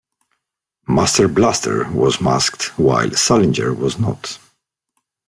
Master Blaster was masked while Sallinger was not.